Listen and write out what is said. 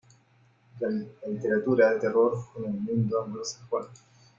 La literatura de terror en el mundo anglosajón.